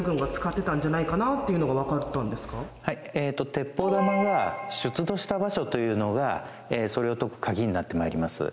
鉄砲玉が出土した場所というのがそれを解く鍵になって参ります。